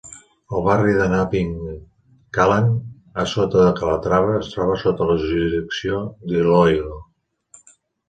El barri de Nabingkalan, a sota de Calatrava, es trobava sota la jurisdicció d'Iloilo.